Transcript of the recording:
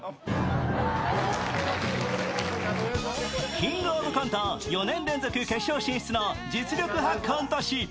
「キングオブコント」４年連続決勝進出の実力派コント師。